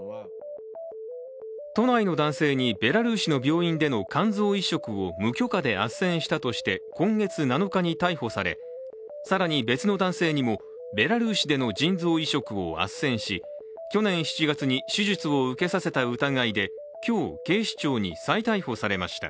都内の男性にベラルーシの病院での肝臓移植を無許可であっせんしたとして今月７日に逮捕され、更に別の男性にもベラルーシでの腎臓移植をあっせんし、去年７月に手術を受けさせた疑いで今日、警視庁に再逮捕されました。